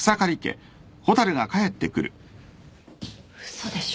嘘でしょ？